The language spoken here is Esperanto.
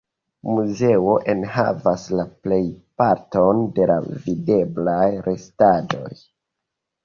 Muzeo enhavas la plejparton de la videblaj restaĵoj.